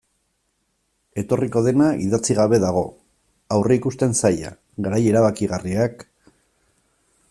Etorriko dena idatzi gabe dago, aurreikusten zaila, garai erabakigarriak...